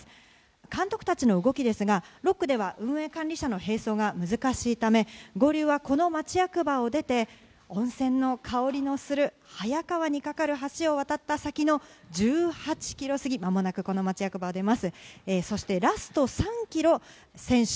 監督たちの動きですが、６区では運営管理車の並走が難しいため合流はこの町役場を出て、混戦のかおりのする早川にかかる橋を渡った先の１８キロ過ぎ、まもなく町役場を出ます。